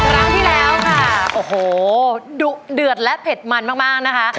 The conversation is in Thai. ร้านที่แล้วค่ะโอ้โหดือดและเผ็ดมันมากมากนะคะ